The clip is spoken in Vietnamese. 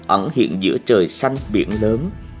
ẩn hiện giữa trời xanh biển lớn